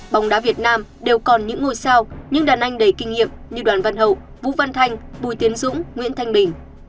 bóng đá việt nam đều còn những ngôi sao những đàn anh đầy kinh nghiệm như đoàn văn hậu vũ văn thanh bùi tiến dũng nguyễn thanh bình